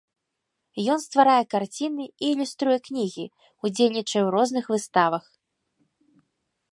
Ён стварае карціны і ілюструе кнігі, удзельнічае ў розных выставах.